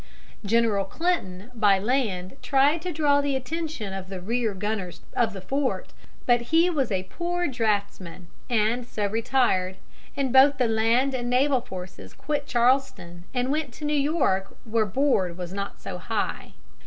] General Clinton by land tried to draw the attention of the rear gunners of the fort, but he was a poor draughtsman, and so retired, and both the land and naval forces quit Charleston and went to New York, where board was not so high.